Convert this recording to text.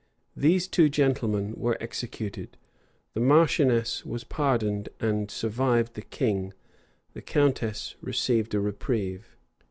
These two gentlemen were executed; the marchioness was pardoned and survived the king; the countess received a reprieve.